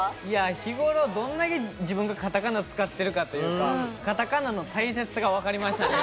日頃、どんだけ自分がカタカナ使ってるかというか、カタカナの大切さがわかりましたね。